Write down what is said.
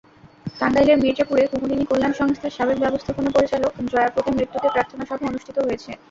টাঙ্গাইলের মির্জাপুরে কুমুদিনী কল্যাণ সংস্থার সাবেক ব্যবস্থাপনা পরিচালক জয়াপতির মৃত্যুতে প্রার্থনাসভা অনুষ্ঠিত হয়েছে।